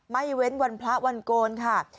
เว้นวันพระวันโกนค่ะ